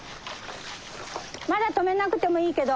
まだ止めなくてもいいけど。